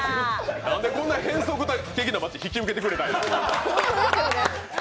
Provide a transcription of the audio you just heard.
なんで、こんな変則的なマッチ、引き受けてくれたんや。